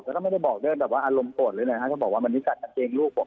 แต่ก็ไม่ได้บอกเรื่องอารมณ์โปรดโดนว่าอันนี้ก็เกลียงรูปผม